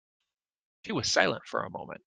She was silent for a moment.